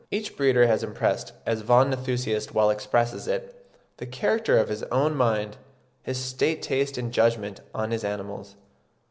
Each breeder has impressed, as von Nathusius well expresses it, the character of his own mind—his own taste and judgment—on his animals.